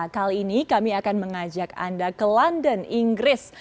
kali ini kami akan mengajak anda ke london inggris